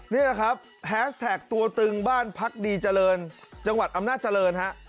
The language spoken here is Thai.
นี่แหละครับแฮสแท็กตัวตึงบ้านพักดีเจริญจังหวัดอำนาจเจริญฮะ